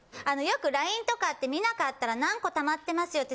よくＬＩＮＥとかって見なかったら何個たまってます